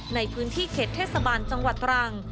ในพื้นที่เขตเทศบาลจังหวัดตรัง